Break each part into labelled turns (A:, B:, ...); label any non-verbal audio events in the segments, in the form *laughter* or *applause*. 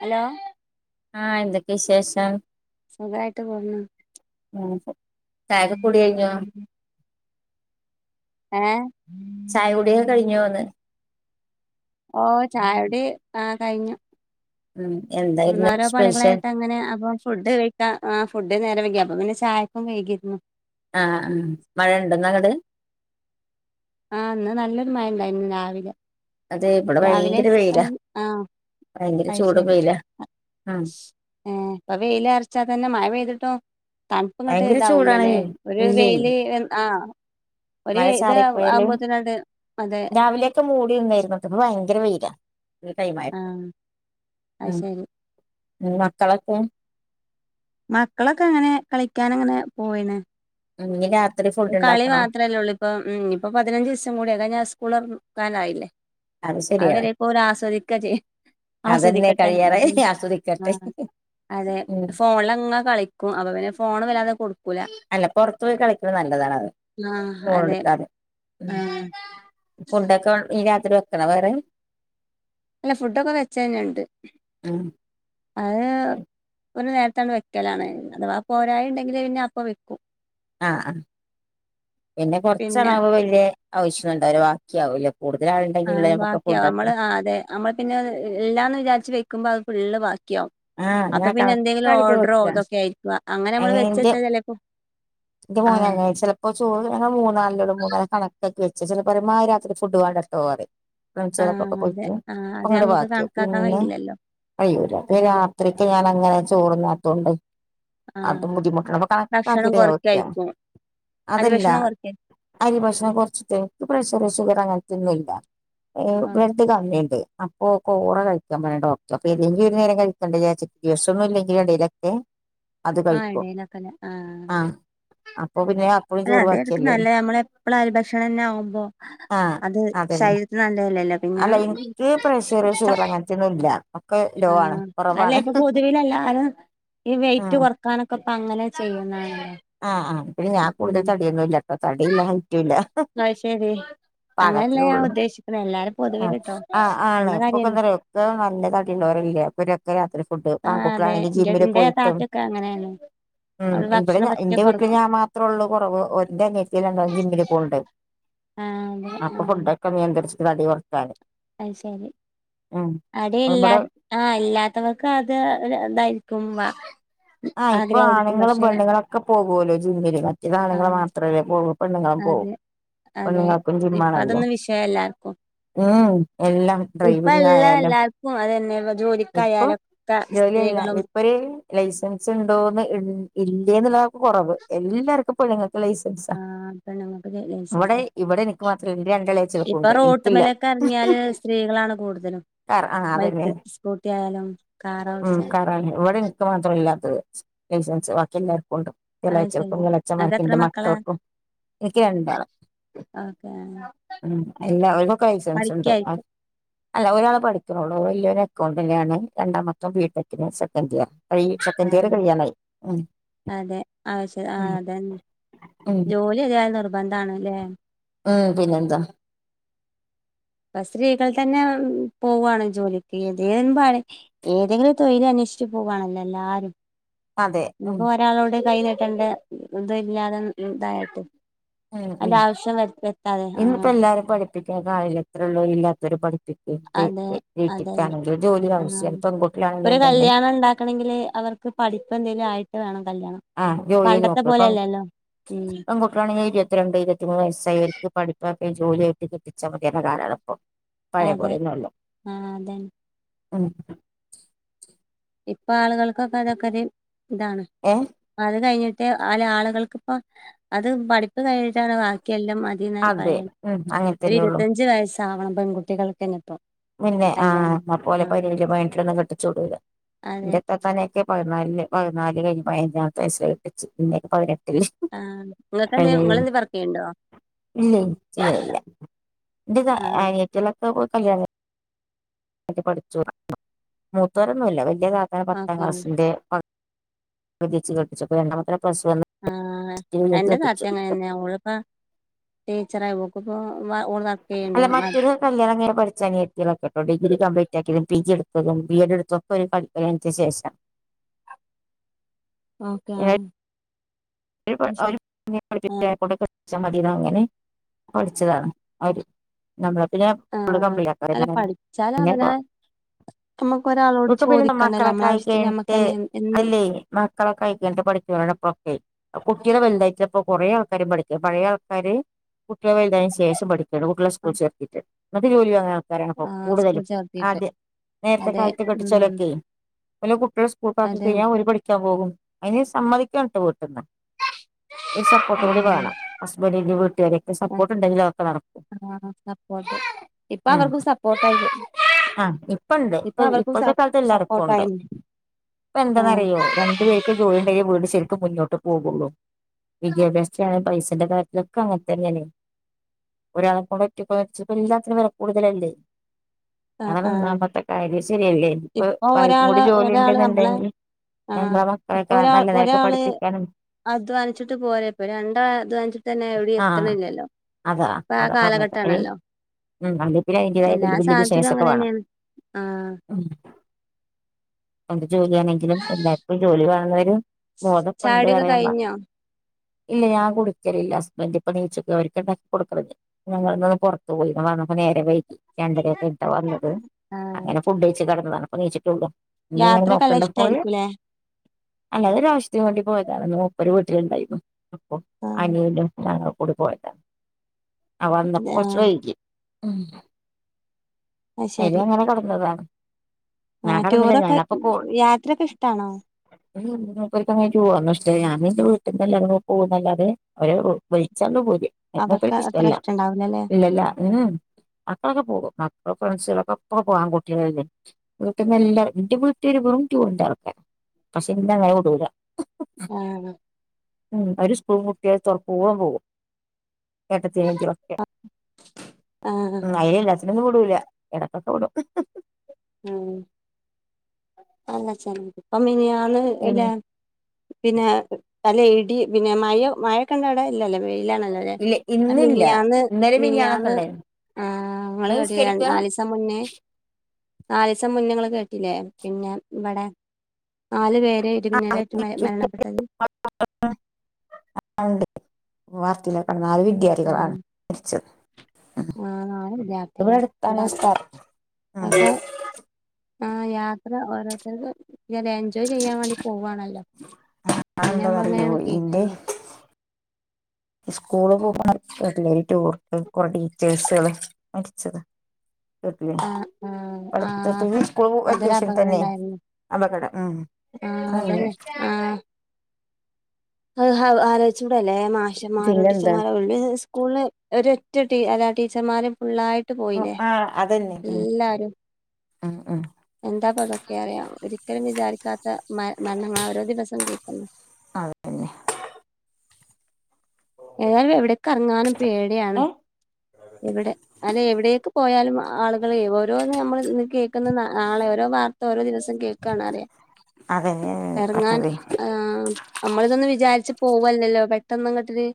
A: Hello?
B: ആഹ് എന്തക്കെശേഷം?
A: സുഖായിട്ട് പോന്ന്
B: മൂന്നിസം. ചായക്കെ കുടികയ്ഞ്ഞോ?
A: ഏഹ്
B: ചായകുടിക്കെ കഴിഞ്ഞോന്ന്?
A: ഓഹ് ചായുടി ആഹ് കഴിഞ്ഞു.
B: ഉം എന്തായിരുന്നു
A: ഒന്നോരോ
B: സ്പെഷ്യൽ
A: പണികളായ്ട്ടങ്ങനെ അപ്പൊ ഫുഡ് വെ ക്ക ആഹ് ഫുഡ് നേരം വെങ്കി അപ്പ പിന്നെ ചായക്കും വെയ്കിര്ന്നു.
B: ആഹ് ആഹ് മഴണ്ടോന്നങ്ങട്?
A: ആഹ് ഇന്ന് നല്ലൊരു മഴണ്ടായിര്ന്നു രാവിലെ.
B: അതെ ഇവിടെ
A: രാവിലെ
B: ഭയങ്കര
A: സ്
B: വെയിലാ
A: ഉം ആഹ്
B: ഭയങ്കര ചൂടും
A: അഹ്ശെരി
B: വെയിലാ ഉം
A: ഏഹ് ഇപ്പ വെയിലർച്ചാ തന്നെ മഴ പെയ്തിട്ടും തൺ പ്പ്ങ്ങട്ട്
B: ഭയങ്കര ചൂടാണേ
A: ഇതാവൂലലേ ഒരു
B: ഇല്ലേ
A: വെയ്ല് എൻ ആഹ് ഒര്
B: മഴ
A: ഇത്
B: ചാറിപ്പോയാല്
A: ആവുമ്പോത്തിനാണ്ട് അതെ
B: ക്കെ മൂടിണ്ടായ്രുന്നുട്ടോ ഇപ്പ ഭയങ്കര വെയ്ല. ഈ
A: ആ
B: ടൈമായപ്പോ
A: അത്
B: ഉം
A: ശരി
B: ഉം മക്കളൊക്കെ?
A: മക്കളൊക്കങ്ങനെ കളിക്കാനങ്ങനെ പോയിണ്.
B: ഞ്ഞ് രാത്രി ഫു
A: കളി മാത്രെല്ലൊള്ളിപ്പം. ഉം ഞ്ഞ് പ്പം പതിനഞ്ചീസം കൂടി, അത് കയ്ഞ്ഞാ സ്കൂളൊർ ക്കാനായില്ലെ അത് വരേക്കോലാസ്വദിക്കാ ചെയ്യ
B: അതന്നെ
A: ആസ്വദിക്കട്ടെ
B: കഴിയാറായി ആസ്വദിക്കട്ടെ
A: *unintelligible* അതെ,
B: ഉം
A: ഫോണ്ലങ്ങ കളി ക്കും, അപ്പപിന്നെ ഫോണ് വല്ലാതെ കൊടുക്കൂല.
B: അല്ല പൊറർത്തോയി കളിക്ക്ണെ നല്ലതാണത്
A: ആഹ് അതെ ആഹ്
B: ഫുഡ്ഡൊക്കെ ഇനി രാത്രി വെക്കണോ വേറെ?
A: ഇല്ല ഫുഡ്ഡൊക്കെ വെച്ചെന്നെണ്ട്. അത് ഒര് നേരത്താണ് വെക്കലാണ്. അഥവാ പോരായിണ്ടെങ്കില് പിന്നെ അപ്പം വെ
B: ആഹ് അഹ് പിന്നെ കൊർച്ചളാവുമ്പോ വെല്ല്യേ ആവശ്യൊന്നുണ്ടാവൂല, ബാക്ക്യാവൂലെ കൂട്തലാള്ണ്ടെങ്ക്യല്ലേ
A: ആഹ്
B: നമ്മക്ക്
A: ബാക്കിയാവും
B: ഫുഡ്ഡൊക്കെ
A: ആഹ് അതെ നമ്മള് പിന്നെ ഇല്ലാന്ന് വിചാര്ച്ച് വെക്ക്മ്പൊ അത് ഫുള്ള് ബാക്ക്യാവും.
B: ആഹ് അങ്ങനെ
A: അപ്പപിന്നെ എന്തെങ്കിലും
B: കണക്കായിട്ട്
A: ഓർഡറോ
B: വെക്കുക
A: ഇതൊക്കേയ്ര്ക്കു, അങ്ങനമ്മള് വെച്ചെച്ചാ ചെലേപ്പൊ
B: ൻ്റെ മോനങ്ങനെ ചെൽ ഇപ്പൊ ചോറ് ഞങ്ങള് മൂന്നാളല്ലൊള്ളു. മൂന്നാള് കണക്കാക്കി വെച്ച് ചെലപ്പറിം ഇമ്മാ രാത്രി ഫുഡ് വേണ്ടട്ടോ പറിം.
A: ആഹ്
B: ഫ്രെണ്ട്സാളൊപ്പക്കെ
A: അതെ
B: പോയിട്ട്, *unintelligible*
A: ആഹ് അത്
B: ങ്ങട്ട്
A: നമ്മക്ക്
B: ബാക്ക്യാവും
A: കണക്കാക്കാൻ
B: പിന്നെ
A: കഴിയില്ലല്ലോ
B: കയ്യൂലാ.
A: അതാണ്
B: രാത്രിക്ക് ഞാനങ്ങനെ ചോറ്ന്നാത്തോണ്ട്
A: ആഹ്
B: അതും ബുദ്ധിമുട്ടാണപ്പം
A: ഭക്ഷണം
B: കണക്കാക്കീട്ടാ ഞാൻ വെക്കാ
A: കൊറക്കായിരിക്കും അരി
B: അതല്ല
A: ഭക്ഷണം കൊർക്കേ
B: അരി ഭക്ഷണം കൊർച്ച്ട്ട്, ഇൻക്ക് പ്രെഷറ്, ഷുഗറ് അങ്ങൻത്തെന്നുല്ല.
A: ആഹ്
B: ബ്ലെഡ് കമ്മിണ്ട് അപ്പോ, കോറ കഴിക്കാൻ പറഞ്ഞ്ണ് ഡോക്ട്റ്. അപ്പേതെങ്കിലൊര് നേര കഴ്ക്കെണ്ടേചാര്ച്ച്, ദിവസൊന്നുല്ലെങ്കിലും എടേലൊക്കെ
A: ആഹ് എടേലൊക്കലെ ആഹ്.
B: ആ അപ്പൊ പിന്നെ അപ്പഴും ചോറ്
A: അല്ലതായ്രിക്കും
B: ബാക്കിയല്ലേ
A: നല്ലെ, ഞമ്മളെപ്പെള അരി ഭക്ഷണെന്നാവുമ്പൊ
B: ആ
A: അത്
B: അതന്നെ
A: ശര് നല്ലെല്ലല്ലോ പിന്നെ,
B: അല്ല എനിക്ക് പ്രഷർ ഷുഗർ
A: ചപ്
B: അങ്ങനത്തെ ഒന്നും ഇല്ല ഒക്കെ ലോ ആണ്
A: ആഹ്
B: കുറവാണ്
A: അല്ലേപ്പൊ പൊതുവിലെല്ലാരും ഈ
B: ആ
A: വെയ്റ്റ് കൊർക്കാനൊക്കെപ്പങ്ങനെ ചെയ്യുന്നാണല്ലോ.
B: ആഹ് ആഹ്. ഇപ്പഴും ഞാൻ
A: ഉം
B: കൂട്തൽ തട്യൊന്നുല്ലട്ടോ. തടീല്ലാ ഹൈറ്റൂല്ല.
A: അത് ശെരി അങ്ങനെല്ല ഞാൻ ഉദ്ദേശിക്ക്ണേ, എല്ലാരെ
B: ആ
A: പൊതുവേല്ട്ടോ.
B: ആ ആണ്
A: നമ്മളെ
B: ഇപ്പൊക്കെ
A: കാര്യല്ലെ
B: *unintelligible* നല്ല തടിള്ളോരല്ലേ അപ്പൊ രക് ക്കെ രാത്രി ഫുഡ്.
A: ആഹ് അതെ
B: ആൺകുട്ട്യളാണെങ്കി
A: ഇന്റെ
B: ജിമ്മില്
A: ഇന്റെ
B: പോയിട്ടും
A: താത്തയൊക്കെ അങ്ങനെയാണ്
B: ഉം.
A: അവള്
B: ഇവടെ
A: ഭക്ഷണം
B: ഞാ
A: പറ്റെ
B: ന്റെ
A: കൊറ
B: വീട്ടിൽ ഞാൻ മാത്രൊള്ളു കൊറവ്. ഒര് ന്റെ അനിയത്ത്യാള് രണ്ടാളും ജിമ്മില് പോക്ണ്ട്
A: ആഹ് അതെ
B: അപ്പൊ ഫുഡ്ഡൊക്കെ നിയന്ത്രിച്ച്ട്ട് തടി കൊർക്കാന്
A: അഅ് ശെരി. അടെല്ലാ
B: ഇവിടെ
A: ആഹ് ഇല്ലാത്തവർക്കത് ഒര് ഇതായിരിക്കും. വ
B: ആഹ് ഇപ്പൊ ആണ്ങ്ങളും പെണ്ണുങ്ങളൊക്കെ പോകോലോ ജിമ്മ്ല്, മറ്റേത് ആണ്ങ്ങള്
A: ആഹ്
B: മാത്രല്ലേ പോകു പെണ്ണ്ങ്ങളും പോവും.
A: അതെ അതെ,
B: പെണ്ണുങ്ങൾക്കും ജിമ്മാണല്ലോ
A: ഇപ്പതൊന്നും വിഷയല്ലാർക്കും.
B: ഉം എല്ലം, ഡ്രൈവിങ്ങായാലും.
A: എല്ലാർക്കും അതന്നെ
B: ഇപ്പം
A: ജോലിക്കായാലൊക്കെ
B: ജോല്യല്ല,
A: സ്ത്രീകളും
B: ഇപ്പൊര് ലൈസൻസ്ണ്ടോന്ന് ഇ ഇല്ലേന്ന്ള്ളതാപ്പൊ കൊറവ്. എല്ലാര്ക്കും പെണ്ണ്ങ്ങക്ക് ലൈസൻസാ
A: ആഹ് പെണ്ണുങ്ങൾക്ക്
B: വടെ
A: ലൈസൻസാ
B: ഇവടെ ഇൻക്ക് മാത്രംല്ല, ഇൻ്റെ
A: ഇപ്പൊ
B: രണ്ടെളെച്യാൾക്കുണ്ട്, ഇൻക്ക് ല്ല.
A: റോട്ടുമ്മലൊക്കെ എറങ്ങിയാല് സ്ത്രീകളാണ് കൂട്തലും. ബൈക്ക് സ്കൂട്ട്യായാലും കാറോട്ച്ച
B: *unintelligible* ക്ക് മാത്രല്ലാത്തത് ലൈസൻസ്. ബാക്ക്യെല്ലാർക്കൂണ്ട്.
A: അത്
B: എളെയ്ച്ച്യാൾക്കും,
A: ശരി നിങ്ങക്ക്
B: എളച്ചന്മാർക്കും,
A: എത്ര
B: ഇന്റെ
A: മക്കളാ
B: മക്കൾക്കും. ഇൻക്ക് രണ്ടാള്
A: ഓക്കെ
B: ഉം എല്ലാ ഓൽക്കൊക്കെ ലൈസൻസ്ണ്ട്. അ
A: പഠിക്കായിരിക്കും
B: അല്ല ഒരാള് പഠിക്ക്ണൊള്ളു. വല്ല്യോനെക്കൗണ്ടൻ്റാണ്, രണ്ടാമത്തോൻ ബീ ടെക്കിന് സെക്കൻഡിയർ *unintelligible* ക്കെൻഡിയറ്
A: ആഹ്
B: കഴിയാനായി. ഉം
A: അതെ ആവ്ശ്യ ആഹാ
B: ഉം
A: അതെന്നെ,
B: ഉം
A: ജോല്യേതായാലും നിർബന്ധാണ്ലേ.
B: ഉം പിന്നെന്താ.
A: അത് സ്ത്രീകൾ തന്നെ പോവാണ്, ജോലിക്ക് ഏതേ പണി. ഏതെങ്കിലും തൊഴില അന്വേഷിച്ച് പോകവാണല്ലോ, എല്ലാരും-
B: അതെ ഉം.
A: നമുക്ക് ഒരാളോട് കൈ നീട്ടേണ്ട ഇത്, ഇല്ലാതെ ഇതായിട്ട്.
B: ഉം ഉം
A: അതിന്റെ ആവശ്യം വ എത്താതെ ആ
B: ഇന്നിപ്പോ എല്ലാരും പഠിപ്പിക്കാ കായല എത്രേഉള്ളൂ, ഇല്ലാത്തവര പഠിപ്പിക്ക.
A: അതെ അതന്നെ
B: വീട്ടിക്കാണെങ്കിലും ജോലി
A: ആ
B: ആവശ്യം, പെൺകുട്ടിലാണെങ്കും തന്നെ-
A: ഇപ്പോ പഠിപ്പ് എന്തേലും ആയിട്ട് വേണം കല്യാണം.
B: ആഹ് ജോലി
A: പണ്ടത്തെ
B: നോക്ക ഇപ്പോ
A: പോലെയല്ലല്ലോ ഉം
B: പെൺകുട്ടികളാ ണെങ്കിൽ- ഇരുപത്തി രണ്ട് ഇരുപ- മൂന്ന് വയസ്സായിവർക്ക് പഠിപ്പായിട്ട്- ജോലിയ ആട്ട് കിട്ടിച്ചാ മതിയേ- കാലാണ് ഇപ്പോ.
A: അതെ
B: പഴയപോലെ ഒന്നുമല്ല,
A: ആ അതന്നെ
B: ഉം.
A: ഇപ്പ ആളുകൾക്കൊക്കെ- അതൊക്കെ ഒരു ഇതാണ്.
B: ഏ.
A: അത് കഴിഞ്ഞിട്ട് അല- ആളുകൾക്കിപ്പ അത് പഠിപ്പ്- കഴിഞ്ഞിട്ടാണ് ബാക്കിയെല്ലാംമതി.
B: അതെ
A: പറയാ
B: ഉം അങ്ങനെ
A: ഒരു
B: തന്നെ ഉള്ളു
A: ഇരുപതഞ്ചു വയസ്സ് ആവണം പെൺകുട്ടികൾക്കെന്നെ ഇപ്പോ.
B: പിന്നെ ആഹാ നമ്മളെ പോലെ- പതിനെയിലോ, പതിനേറ്റിലോ കെട്ടിച്ചുവിടുൂല്ല,
A: അതെ
B: എന്റെതൊക്കെ- ഒ പതിനാലില്, പതിനാല് കഴിഞ്ഞ് പതിനഞ്ചമത്തെ വയസ്സില കെട്ടിച്ചേ, പിന്നെ പതിനെട്ടില്.
A: ആഹ് നിങ്ങക്കെന്തേ
B: അതിന്
A: നിങ്ങളെന്തേ വർക്ക് ചെയ്യണ്ടോ
B: ഇല്ല ചെയ്യാലില്ല. എന്റെ
A: ആഹ്
B: അനിയത്തികളെ ഒക്കെ ഇപ്പൊ കല്യാണം കഴിഞ്ഞു. പഠിച്ചു മൂത്തരോന്നുമില്ല, വലിയ താത്താനെ പത്താം
A: ഓക്കെ
B: ക്ലാസ്സിന്റെ- വിതിച്ച് കെട്ടിച്ചപ്പോ രണ്ടാമത്തെ പ്ലസ് വണ്.
A: ആഹ എന്റെ താത്ത- അങ്ങനെന്നെയ ഓൾ പ്പോ- ടീച്ചർ ആഹാ ഓൾക്പ്പോ ഓൾ-
B: അല്ല മറ്റൊരു- കല്യാണം കയിഞ്ഞ് പഠിച്ച- അനിയത്തീകളൊക്കെണ്ടോ ഡിഗ്രി കംപ്ലീറ്റ് ആാക്കിയതും പി. ജി എടുത്തും ബി. എഡ് എടുത്തും, തൊക്കെ ഒരുപഠിപ്പിന് ശേഷം,
A: ഓക്കെ ആഹാ. ആഹ്
B: *unintelligible* നമ്മളത്തി ഫള്
A: ആഹ്
B: കമ്പല
A: അല്ല
B: ആഹാ
A: പഠിച്ചാല്
B: പിന്നെ.
A: അവനാൻ നമുക്ക് ഒരാളോട്
B: ഇന്ക്കെ പിന്ന
A: ചോദിക്കണ്ടല്ലോ നമ്മളെ ആവശ്യത്തിന്
B: മക്കളക്കായിനിട്ട്
A: നമ്മക്കന്നെ എന്നും
B: അല്ലേ? മക്കളൊക്കെ കഴിക്കി പഠിച്ചണ് ഇപ്പഴൊക്കെ. കുട്ടിയെ വലുതായിട്ടപ്പോ കുറേ ആൾക്കാരും പഠിക്കും, പഴയ ആൾക്കാര് കുട്ടിയളെ വലുതായതിനന് ശേഷം പഠിക്കും. കുട്ടികളെ സ്കൂളിൽ ചേർത്തിട്ട് ഇങ്ങക്ക് ജോലിയാ? ഇപ്പ
A: ആഹ് സ്കൂൾ
B: കൂടുതലും,
A: ചേർത്തിട്ട്
B: ആദ്യ നേരത്തെ
A: അതെ
B: കാലത്ത
A: ഉം
B: കെട്ടിച്ചലൊക്കെ. ഓലെ കുട്ടികൾ സ്കൂൾക്കാക്കി
A: അതെ
B: കഴിഞ്ഞാൽ ഒല് പഠിക്കാൻ പോകും. അതിന് സമ്മതിക്കണം കേട്ട വീട്ടിൽന്ന്. ഒരു സപ്പോർട്ട് കൂടി വേണം,
A: ആഹ്
B: ഹസ്ബൻഡിന്റെ വീട്ടുകാരൊക്കെ സപ്പോർട്ട്ണ്ടെങ്കിൽ അതൊക്കെ നടക്കും.
A: ആഹാ. ഇപ്പോ അവർക്കും സപ്പോർട്ട്,
B: ആഹ ഇപ്പണ്ട് ഇപ്പ ഇപ്പോഴത്തെ, കാലത്ത് എല്ലാർക്കുണ്ട്.
A: സപ്പോർട്ടായി
B: പ്പോ
A: ആഹ്
B: എന്തെന്നറിയോ രണ്ടു പേര്- ജോലിണ്ടെങ്കിൽ വീട് ശരിക്കും- മുന്നോട്ട് പോകുള്ളൂ. വിദ്യാഭ്യാസത്തില പൈസന്റെ കാര്യ- ഒക്കെ അങ്ങനത്തെങ്ങനെയെ- ഒരാളെ കൊണ്ട് പറ്റൊപ്പം, എല്ലാത്തിനും വില കൂടുതലല്ലേ. *inaudible*
A: ആഹ്
B: അത്
A: ആഹ്
B: ഒന്നാമത്തെ കാര്യം ശരിയല്ല, ഇപ്പോ
A: ഇപ്പൊ
B: ഭാര്യക്കും
A: ഒരാള്
B: കൂടി ജോലി
A: ഒരാള് നമ്മളെ
B: ഉണ്ടെന്നുണ്ടെങ്കിൽ.
A: ആഹ്
B: ഞമ്മളെ
A: ഇപ്പൊ
B: മക്കളെക്കെ
A: ഒരാ
B: നല്ലതായിട്ട്
A: ഒരാള്
B: പഠിപ്പിക്കാനും,
A: അധ്വാനിച്ചിട്ട് പോരപ്പ രണ്ടാ- അധ്വാനിച്ചിട്ട്- തന്നെ എവിടെ
B: ആഹ്
A: എത്തണില്ലല്ലോ, ഇപ്പോ ആഹാ, കാലഘട്ടമാണല്ലോ.
B: അല്ലെങ്കിൽ പിന്നെ അതിന്റെതായ വല്യ ബിസിനസ ഒക്കെ
A: അങ്ങനെ
B: വേണം
A: തന്നെയാണ് ആഹ്
B: ഉം. എന്ത് ജോലിയാണെങ്കിലും, എല്ലാർക്കും ജോലി വേണം എന്നുള്ള ബോധപ്പുണ്ട്.
A: ചായുടിയൊക്കെ
B: അറിയുമ്പ
A: കഴിഞ്ഞോ
B: ഇല്ല ഞാൻ കൊടുക്കലില്ലഹസ്ബൻഡ ഇപ്പോ- നീച്ചൊക്കെ അവർക്ക് ഉണ്ടാക്കി കൊടുക്കരു. ഞങ്ങള് ന്ന് ഒന്ന് പുറത്ത് പോയി വന്നപ്പം നേരം വൈകി രണ്ടരയൊക്കെ ഴിഞ്ഞിട്ടാ വന്നത്
A: ആഹ്
B: അങ്ങനെ ഫുഡ് കഴിച്ച് കിടന്നതാണ് ഇപ്പ നീ ച്ച്ട്ടൊള്ളൂ ഇഞ്ഞ് ങ്ങനെ
A: യാത്രയൊക്കെ നല്ല
B: നോക്ക്ണ്ടാ ഫോണ്ല്
A: ഇഷ്ടായിരിക്കൂല്ലേ
B: അല്ലാ അതൊരു ആവശ്യത്തിനുവേണ്ടി പോയതാണ് മൂപ്പര് വീട്ടിലുണ്ടായിന്നു
A: ആഹ്
B: അനിയനും ഞങ്ങളൊക്കെ കൂടി പോയതാ ആഹ് വന്നപ്പോ കൊറച്ച്
A: ആഹ്
B: വൈകി മ്
A: അത്
B: അയ്ല്
A: ശരി
B: അങ്ങനെ കെടന്നതാ
A: ആഹ് ടൂറൊക്കെ യാത്രയൊക്കെ ഇഷ്ടാണോ
B: മൂപ്പരുക്കൊന്നും അയിന് ടൂറൊന്നും ഇഷ്ട്ടല്ല ഞാൻ ഇന്റെ വീട്ടിന്നെല്ലാരും കൂടെ പോകുന്നല്ലാതെ അവര് വിളിച്ചാണ്ട് പൂതി അത്
A: അതൊക്കെ
B: മൂപ്പർക്ക്
A: അത്ര
B: ഇഷ്ടല്ല
A: ഇഷ്ടണ്ടാവൂലല്ലേ
B: ഇല്ലല്ല മക്കളൊക്കെ പോകും മക്കള് ഫ്രണ്ട്സ് ളൊക്കെ എപ്പളും പോവു ആൺകുട്ടിയോളല്ലേ വീട്ടിന്നെല്ലാരും എന്റെ വീട്ടുകാര് വെറും ടൂറിന്റെ ആൾക്കാരാ പക്ഷെ എന്നെ അങ്ങനെ വിടൂല്ല
A: ആഹ്
B: ഉം അവര് സ്കൂൾ പൂട്ടിയാ അഹ് തൊറ്ക്കോളും പോവും ഏട്ടത്തി അനിയത്തി ളൊക്കെ
A: ആഹ്
B: ഉം അയ്ന് എല്ലാത്തിനൊന്നും വിടൂല എടക്ക് ഒക്കെ വിടും
A: ഉം അല്ല ചെൽ ഇപ്പം മിനിയാന്ന് അല്ല
B: പിന്നെ
A: പിന്നെ നല്ല ഇടി പിന്നെ മഴ മഴയൊക്കണ്ടവിടെ ഇല്ലല്ല വെയിലാണല്ലോ
B: ഇല്ല ഇന്നില്ല
A: മിനിയാന്ന്
B: ഇന്നലെ മിനിഞ്ഞാന്നൊക്കെ
A: മിനിയാന്ന്
B: ഉണ്ടായിരുന്നു
A: ആഹ് ഇങ്ങള്
B: നിങ്ങൾ
A: കേട്ടിലെ
B: നിസ്കരിക്കാ
A: നാലിസം മുന്നെ നാലീസം മുന്നെ ങ്ങള് കേട്ടില്ലേ പിന്നെ ഇവിടെ നാല് പേര് ഇടിമിന്നലേറ്റ് മ മരണപ്പെട്ടത്
B: *inaudible* വാർത്തയിലൊക്കെ കണ്ട് നാലു വി ദ്യാർഥികളാണ്
A: ആഹ്
B: മരിച്ചത്
A: ആഹ് നാല്
B: ഇവിടെ
A: വിദ്യാർത്ഥികള്
B: അടുത്താണ്
A: എന്താപ്പൊ
B: സ്ഥലം ആഹ്
A: അതൊക്കെ ആഹ് യാത്ര ഓരോര്ത്തർക്ക് *unintelligible* എൻജോയ് ചെയ്യാൻ വേണ്ടി പോവാണല്ലോ പിന്നെ നമ്മൾ
B: അതെന്താണെന്നറിയോ
A: ഇങ്ങനെയാണ്
B: ഇന്റെ
A: കേക്കുന്നെ
B: സ്കൂള് *unintelligible* ടൂർ കുറേ ടീച്ചേഴ്സുകൾ മരിച്ചത് കേട്ട് ലെ
A: ആഹ് ആഹ് ആഹ്
B: പഠിത്തത്തിന് സ്കൂൾ
A: അതൊരു
B: അത്യാവശ്യം
A: അപകടം
B: തന്നെ
A: ഉണ്ടായിരുന്നു
B: അപകടം ഉം അയ്യേ
A: അഹ് അഹ്ആലോയിചൂട ല്ലേ മാഷന്മാരും
B: പിന്നെന്താ
A: ടീച്ചർമാ *unintelligible* സ്കൂള് ന് ഒരൊറ്റ ടീ അല്ല ടീച്ചർമാരും ഫുള്ളായി
B: ആഹ് അതന്നെ ഉം ഉം ഉം
A: എന്താപ്പതൊക്കെ അറിയ ഒരിക്കലും വിചാരിക്കാത്ത മ മരണങ്ങളാ ഓരോ ദിവസവും കേക്കുന്നു
B: അതന്നെ
A: ഏതാലും എവിടെക്കറ്ങ്ങാനും പേടിയാണ്
B: ഏഹ്
A: എവിടെ അല്ല എവിടേക്ക് പോയാലും ആളുകള് ഓരോന്ന് നമ്മൾ കേ ക്കുന്ന് നാളെ ഓരോ വാർത്ത ഓരോ ദിവസം കേൾക്കാണ് റയ
B: അതന്നെ
A: എറങ്ങാൻ
B: പറഞ്ഞതേ
A: ആഹ് നമ്മളിതൊന്നും വിചാരിച്ച് പോവല്ലല്ലോ പെട്ടന്നങ്ങട്ട് ര്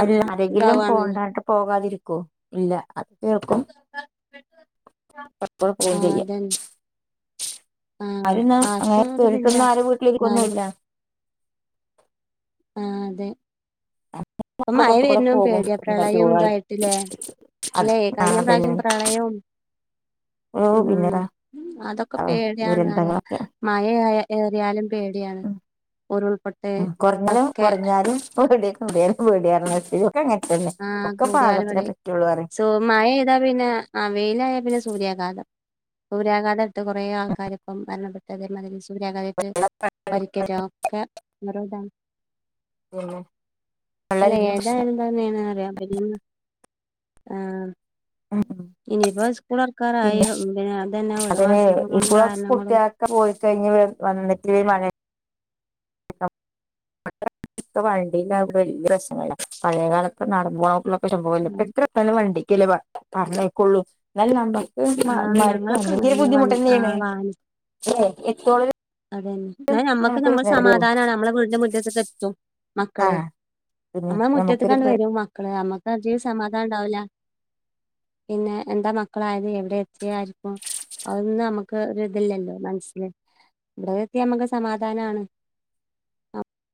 B: അതെല്ലി ആരെങ്കിലും പോണ്ടാട്ടോ പോകാതിരിക്കോ ഇല്ല അത് കേൾക്കും എപ്പഴും പോവും
A: ആഹ്
B: ചെയ്യും
A: അതന്നെ ആഹ്
B: ആരുന്നാ അങ്ങനെ
A: ആർക്കും ഒരിതില്ല
B: പേടിച്ചൊന്നും ആരും
A: എന്നാലും
B: വീട്ടിലിരിക്കൊന്നുല്ല
A: ആഹ് അതെ ഇപ്പോ മഴ
B: പുറത്തു കൂടെ
A: വര്നൊ
B: പോകും
A: പേടിയാ
B: എന്താ
A: പ്രളയം
B: ടൂർ.
A: ഇതായിട്ട് ല്ലേ
B: അത്
A: ല്ലേ
B: ആഹ്
A: കഴിഞ്ഞ
B: അതന്നെ
A: പ്രാവശ്യം പ്രളയും
B: ഓഹ്
A: ഉം
B: പിന്നെതാ
A: അതൊക്കെ
B: ആഹ്
A: പേടിയാണ് അറിയാ
B: ദുരന്തങ്ങളൊക്കെ
A: മഴ ഴാ ഏറിയാലും പേടിയാണ് ഉരുൾപൊട്ട്
B: കൊറ്ഞ്ഞ്
A: ഇതൊക്കെ
B: കൊറ്ഞ്ഞാലും പേടിയാ കൂടിയാലുംപേടിയാ റ്ഞ്ഞാതിരി ഒക്കെ അങ്ങനത്തന്നെ ഒക്കെ പാകത്തിനെ പറ്റുള്ളൂ അ റിം
A: തു മഴ പെയ്താ പിന്നെ ആഹ് വെയിലായ പിന്നെ സൂര്യാഘാതം സൂര്യയാഘാതെടുത്ത് കുറേ ആൾക്കാര് ഇപ്പം മരണപ്പെട്ടു അതേമാതിരി സൂര്യാഘതേറ്റ് പരിക്കേറ്റ ഒക്കെ നിറതാണ്
B: പിന്നെ
A: അല്ല
B: വെള്ളല്ലെങ്കിലും പ്രശ്ന
A: ഏതായാലും ദെന്നെണ് *unintelligible*
B: ഉം ഉം
A: ഇനിയിപ്പോ സ്കൂള്റോക്കാറായി
B: പിന്നെ
A: പിന് അതേന്നെ ഓരോ അസുഖങ്ങളും കാരണങ്ങളും
B: ഒക്കെ പോയി കയിഞ് വന്നിട്ട് മഴേ ഇപ്പ വണ്ടിലാവുബോ വല്ലൃ രസോന്നുല്ല പഴയകാലൊക്കെ നടന്ന്മ്പോവുബോക്കേ സംഭവല്ലേ എത്ര അല വണ്ടിക്കല്ലേ പറഞ്ഞേയ്ക്കൊള്ളൂ എന്നാൽ നമ്മക്ക്
A: ആഹ്
B: മരിപ്പോ
A: ഞങ്ങളൊക്കെ
B: എന്തേങ്കുംഒരു
A: അങ്ങനെന്നെ വ ആഹ്
B: ബുദ്ധിമുട്ടേന്നെണ്
A: വാഹന
B: ലേ എത്തോളം
A: അതന്നെ ന്ന നമ്മക്ക്
B: നമുക്കൊരു
A: നമ്മള് സമാധാനാണ് നമ്മളെ വീടിന്റെ മുറ്റത്തേക്ക് എത്തും മക്കള്
B: ആഹ് പിന്നെ
A: ഞമ്മളെ മുറ്റത്ത്ക്കാണ്ട്
B: നമുക്കൊരു
A: വരും മക്കള് നമ്മക്ക് അജീ സമാധാനണ്ടാവുല പിന്നെ എന്താ മക്കളായത് എവിടെ എത്തിയേആയിരിക്കും അഹ് ന്നും നമ്മക്ക് ഒരു ഇതില്ലല്ലോ മനസ്സില് ഇവിടെ എത്തിയാ ഞമ്മക്ക് സമാധാനാണ്